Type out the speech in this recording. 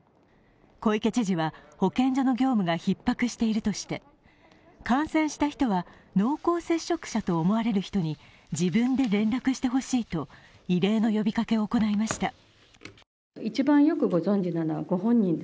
小池知事は、保健所の業務がひっ迫しているとして感染した人は濃厚接触者と思われる人に自分で連絡してほしいと異例の呼びかけを行いました。